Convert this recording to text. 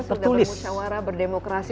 ternyata sudah bermusyawara berdemokrasi